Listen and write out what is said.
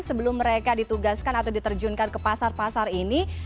sebelum mereka ditugaskan atau diterjunkan ke pasar pasar ini